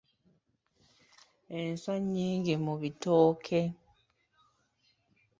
Enswa nnyingi mu bitooke.